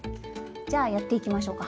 じゃあやっていきましょうか。